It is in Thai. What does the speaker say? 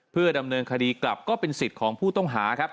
เพื่อดำเนินคดีกลับก็เป็นสิทธิ์ของผู้ต้องหาครับ